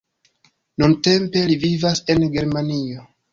Nuntempe li vivas en Germanio.